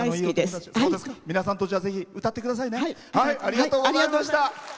皆さんと歌ってくださいね。